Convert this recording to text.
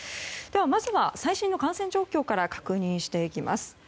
まずは、最新の感染状況から確認していきます。